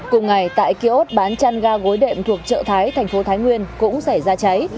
cùng ngày tại kiosk bán chăn ga gối đệm thuộc chợ thái thành phố thái nguyên cũng xảy ra cháy